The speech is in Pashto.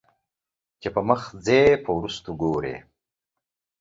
چې پۀ مخ ځې په وروستو ګورې